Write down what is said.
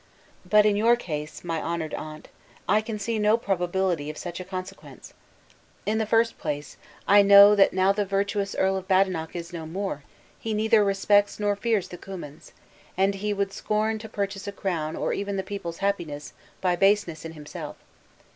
But in your case, my honored aunt, I can see no probability of such a consequence. In the first place, I know, that now the virtuous Earl of Badenoch is no more, he neither respects nor fears the Cummins; and that he would scorn to purchase a crown or even the people's happiness, by baseness in himself.